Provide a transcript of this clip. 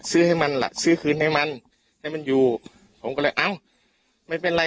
ซื้อให้มันล่ะซื้อคืนให้มันให้มันอยู่ผมก็เลยเอ้าไม่เป็นไร